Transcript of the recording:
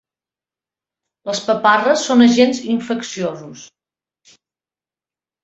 Les paparres són agents infecciosos.